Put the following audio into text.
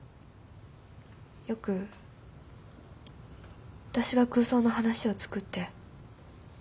よく私が空想の話をつくって。